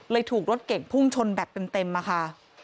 ถูกรถเก่งพุ่งชนแบบเต็มอะค่ะ